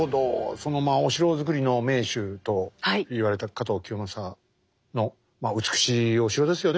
そのお城造りの名手と言われた加藤清正の美しいお城ですよね